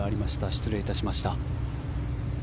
失礼いたしました。